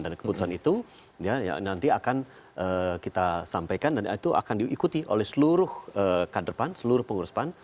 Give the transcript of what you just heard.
dan keputusan itu nanti akan kita sampaikan dan itu akan diikuti oleh seluruh kader pan seluruh pengurus pan